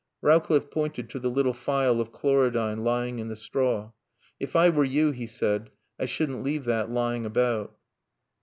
Rowcliffe pointed to the little phial of chlorodyne lying in the straw. "If I were you," he said, "I shouldn't leave that lying about."